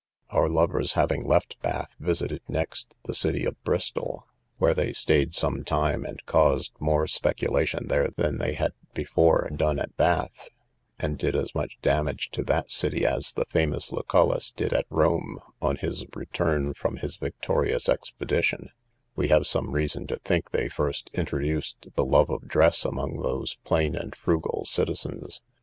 Our lovers having left Bath, visited next the city of Bristol, where they stayed some time, and caused more speculation there than they had before done at Bath, and did as much damage to that city as the famous Lucullus did at Rome, on his return from his victorious expedition; we have some reason to think they first introduced the love of dress among those plain and frugal citizens.